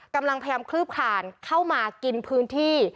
กำลังพยายามคลือบคลานเข้ามากินพื้นที่